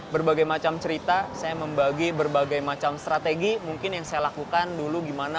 berbagai macam cerita saya membagi berbagai macam strategi mungkin yang saya lakukan dulu gimana